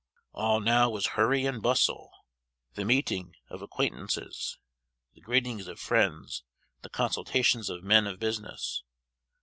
All now was hurry and bustle. The meetings of acquaintances the greetings of friends the consultations of men of business.